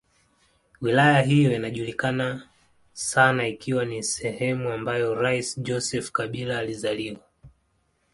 Wilaya hiyo inajulikana sana ikiwa ni sehemu ambayo rais Joseph Kabila alizaliwa.